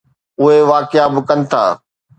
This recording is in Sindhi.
اهي واقعا به ڪن ٿا.